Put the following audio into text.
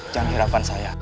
jangan khidapkan saya